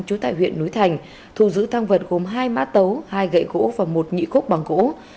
trú tại huyện núi thành thù giữ thang vật gồm hai mã tấu hai gậy gỗ và một nhị khúc bằng gỗ